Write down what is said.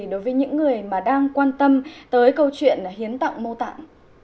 đối với những người mà đang quan tâm tới câu chuyện hiến tạng mô tảm